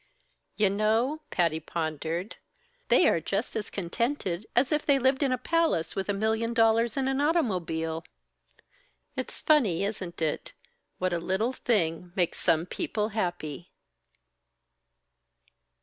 "You know," Patty pondered, "they are just as contented as if they lived in a palace with a million dollars and an automobile! It's funny, isn't it, what a little thing makes some people happy?"